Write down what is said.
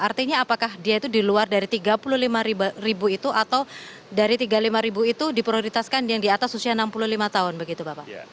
artinya apakah dia itu di luar dari tiga puluh lima ribu itu atau dari tiga puluh lima ribu itu diprioritaskan yang di atas usia enam puluh lima tahun begitu bapak